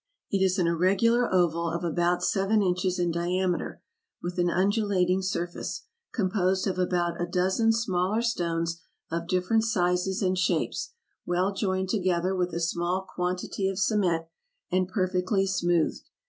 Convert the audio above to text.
It is an irregular oval of about seven inches in diameter, with an undulating surface, composed of about a dozen smaller stones of different sizes and shapes, well joined together with a small quantity of cement, and perfectly smoothed.